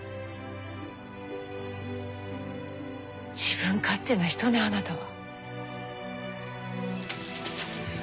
自分勝手な人ねあなたは。